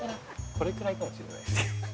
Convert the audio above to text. これくらいかもしれないです。